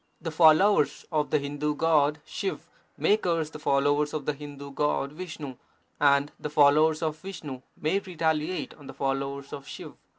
The followers of the Hindu god Shiv may curse the followers of the Hindu god Vishnu, and the followers of Vishnu may retaliate on the followers of Shiv.